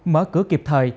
mở cửa kịp thời